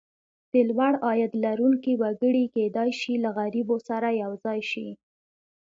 د لوړ عاید لرونکي وګړي کېدای شي له غریبو سره یو ځای شي.